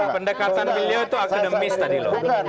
pendekatan beliau itu akademis tadi loh